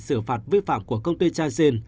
sửa phạt vi phạm của công ty changxin